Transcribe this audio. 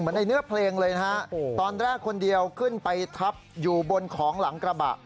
ในเนื้อเพลงเลยนะฮะตอนแรกคนเดียวขึ้นไปทับอยู่บนของหลังกระบะ